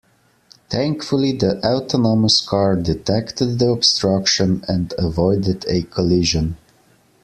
Thankfully the autonomous car detected the obstruction and avoided a collision.